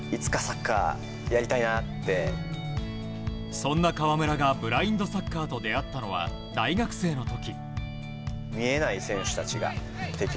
そんな川村がブラインドサッカーと出会ったのは大学生の時。